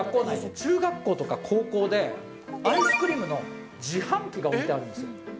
中学校とか高校で、アイスクリームの自販機が置いてあるんですよ。